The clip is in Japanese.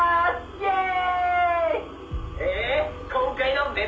イエーイ！」